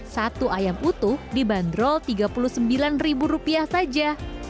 satu ayam utuh dibanderol tiga puluh sembilan saja